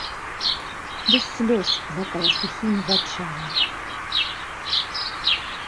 Без слёз плакала сухімі вачамі.